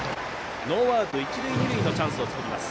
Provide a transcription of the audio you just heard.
ノーアウト一塁二塁のチャンスを作ります。